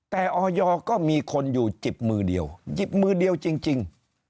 แต่ออยก็มีคนอยู่จิบมือเดียวหยิบมือเดียวจริง